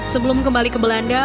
sebelum kembali ke belanda